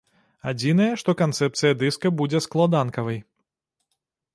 Адзінае, што канцэпцыя дыска будзе складанкавай.